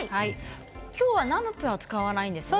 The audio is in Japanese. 今日はナムプラーを使わないんですよね。